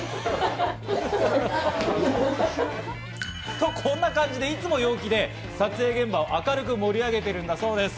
と、こんな感じでいつも陽気で、撮影現場を明るく盛り上げているんだそうです。